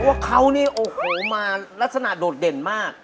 ว่าเขานี่โอ้โหมาลักษณะโดดเด่นมาก